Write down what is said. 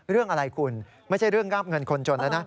เรื่องอะไรคุณไม่ใช่เรื่องงาบเงินคนจนแล้วนะ